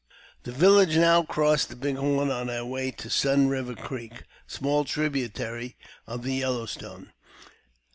The village now crossed the Big Horn on their way to Sun Biver Creek, a small tributary of the Yellow Stone.